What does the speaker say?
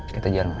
kita jalan lagi ya